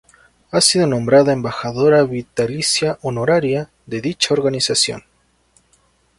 Ha sido nombrada Embajadora vitalicia honoraria de dicha organización.